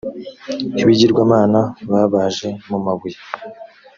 ibigirwamana babaje mu mabuye